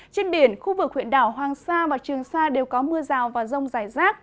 trên biển khu vực huyện đảo hoàng sa và trường sa đều có mưa rào và rông rải rác